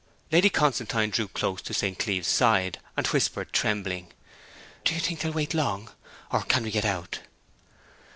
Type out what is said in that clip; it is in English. Lady Constantine drew close to St. Cleeve's side, and whispered, trembling, 'Do you think they will wait long? Or can we get out?'